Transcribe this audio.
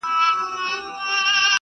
• حرص او تمي وو تر دامه راوستلی.